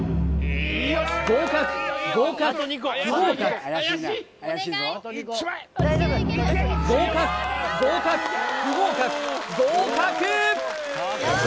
合格合格不合格合格合格不合格合格